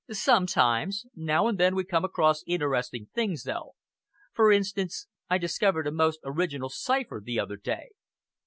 "Sometimes. Now and then we come across interesting things, though. For instance, I discovered a most original cipher the other day."